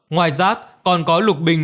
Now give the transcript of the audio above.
ngoài rác còn có lục bình